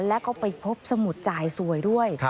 แล้วก็ไปพบสมุดจ่ายสวยด้วย